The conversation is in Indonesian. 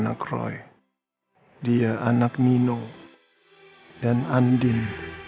aku seneng papa udah pulang